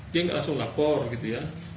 dia nggak langsung lapor gitu ya